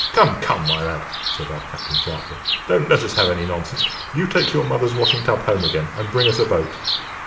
"Come, come, my lad!" said our captain sharply, "don't let us have any nonsense. You take your mother's washing tub home again, and bring us a boat."